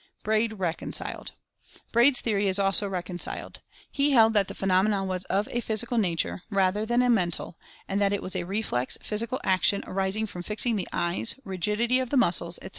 BRAID RECONCILED. Braid's theory is also reconciled. He held that the phenomena was of a physical nature, rather than a mental, and that it was a reflex physical action arising from fixing the eyes, rigidity of the muscles, etc.